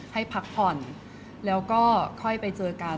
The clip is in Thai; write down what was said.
ให้พักผ่อนแล้วก็ค่อยไปเจอกัน